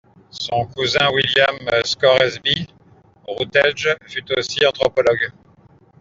Son cousin William Scoresby Routledge fut aussi anthropologue.